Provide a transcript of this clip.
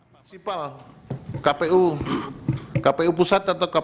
masipal kpu pusat atau kpu mahkamah